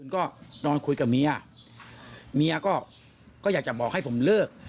ก็นอนคุยกับเมียเมียก็อยากจะบอกให้ผมเลิก